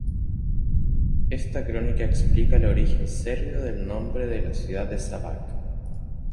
Esta crónica explica el origen serbio del nombre de la ciudad de Šabac.